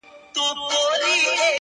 یو که بل وي نو څلور یې پښتانه وي,